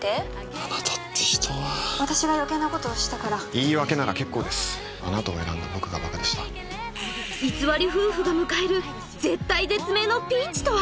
あなたって人は私がよけいなことをしたから言い訳なら結構ですあなたを選んだ僕がバカでした偽り夫婦が迎える絶体絶命のピンチとは？